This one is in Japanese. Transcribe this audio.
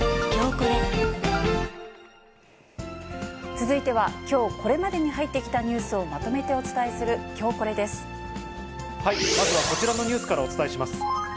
続いては、きょうこれまでに入ってきたニュースをまとめてお伝えするきょうまずはこちらのニュースからお伝えします。